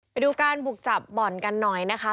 ไปดูการบุกจับบ่อนกันหน่อยนะคะ